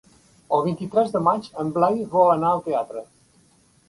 El vint-i-tres de maig en Blai vol anar al teatre.